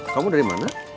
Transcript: kamu dari mana